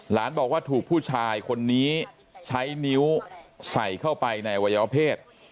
หลานบอกว่าถูกผู้ชายคนนี้ใช้นิ้วใส่เข้าไปในวัยวเพศ